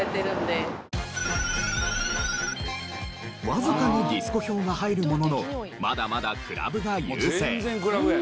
わずかにディスコ票が入るもののまだまだクラブが優勢。